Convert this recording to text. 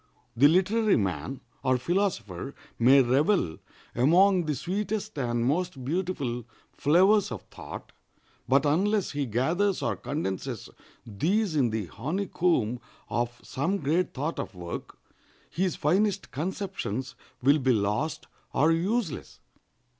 The literary man or philosopher may revel among the sweetest and most beautiful flowers of thought, but unless he gathers or condenses these in the honeycomb of some great thought or work, his finest conceptions will be lost or useless.